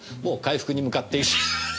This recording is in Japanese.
もう回復に向かって。